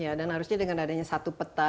ya dan harusnya dengan adanya satu peta